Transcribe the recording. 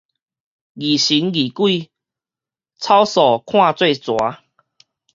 疑神疑鬼，草索看做蛇